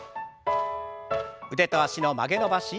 腕と脚の曲げ伸ばし。